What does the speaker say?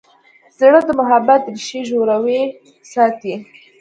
زړه د محبت ریښې ژورې ساتي.